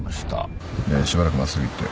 しばらく真っすぐ行って。